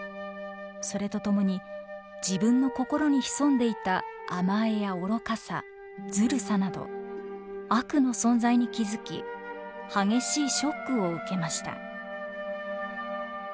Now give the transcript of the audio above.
それとともに自分の心に潜んでいた甘えや愚かさずるさなど悪の存在に気付き激しいショックを受けました。